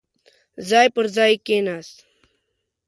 ځای پر ځاې کېناست.